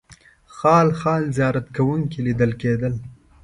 خال خال زیارت کوونکي لیدل کېدل.